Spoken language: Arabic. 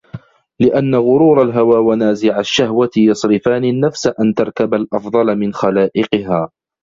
لِأَنَّ غُرُورَ الْهَوَى وَنَازِعَ الشَّهْوَةِ يَصْرِفَانِ النَّفْسَ أَنْ تَرْكَبَ الْأَفْضَلَ مِنْ خَلَائِقِهَا